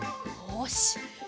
よし。